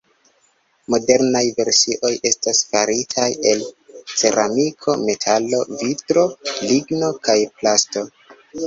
Modernaj versioj estas faritaj el ceramiko, metalo, vitro, ligno kaj plasto.